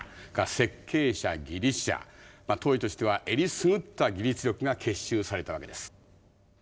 設計者技術者当時としてはえりすぐった技術力が結集されたわけです。